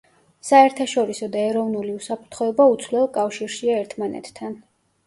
საერთაშორისო და ეროვნული უსაფრთხოება უცვლელ კავშირშია ერთმანეთთან.